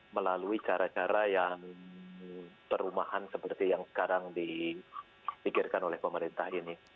melalui cara cara yang perumahan seperti yang sekarang dipikirkan oleh pemerintah ini